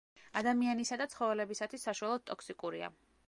ადამიანისა და ცხოველებისათვის საშუალოდ ტოქსიკურია.